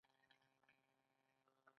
د ډي برخې خاوند هر اړخیز فکر لري.